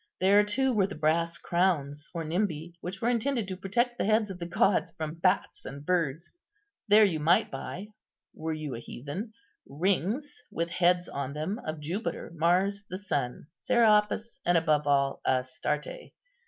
There, too, were the brass crowns, or nimbi which were intended to protect the heads of the gods from bats and birds. There you might buy, were you a heathen, rings with heads on them of Jupiter, Mars, the Sun, Serapis, and above all Astarte.